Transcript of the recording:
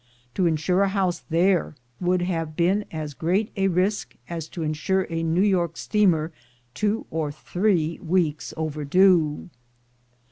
To insure a house there would have been as great a risk as to insure a New York steamer two or three weeks overdue.